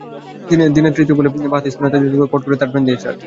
দিনের তৃতীয় বলেই বাঁহাতি স্পিনার তাইজুল ইসলামকে কাট করে থার্ডম্যান দিয়ে চার।